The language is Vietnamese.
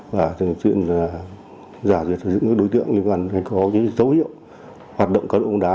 và chuyện giả duyệt những đối tượng liên quan đến có dấu hiệu hoạt động cá độ bóng đá